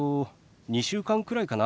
２週間くらいかな。